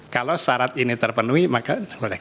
kalau syarat ini terpenuhi maka